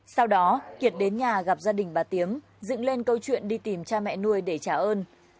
sau đó kiệt đến nhà gặp gia đình bà tiếng dựng lên câu chuyện đi tìm cha mẹ nuôi để trả ơn